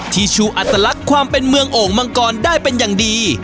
ที่ชูอัตลักษณ์ความเป็นเมืองโอ่งมังกรได้เป็นอย่างดี